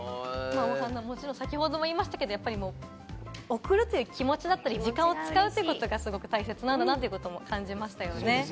先程も言いましたけど、贈るという気持ちだったり時間を使うということがすごく大切だなということも感じましたね。